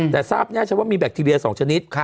แต่ทราบแน่ชัดว่ามีแบคทีเรีย๒ชนิด